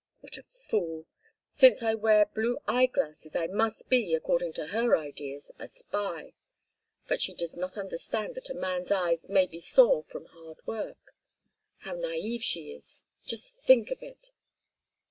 "What a fool! Since I wear blue eyeglasses I must be, according to her ideas, a spy. But she does not understand that a man's eyes may be sore from hard work. How naive she is. Just think of it!